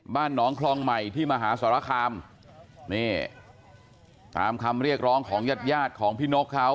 บ้านหนองคลองใหม่ที่มหาสรคามนี่ตามคำเรียกร้องของญาติญาติของพี่นกเขา